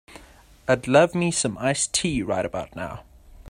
I'd love me some iced tea right about now.